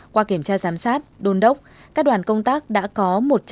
qua kiểm tra giám sát đôn đốc các đoàn công tác đã có một trăm bốn mươi sáu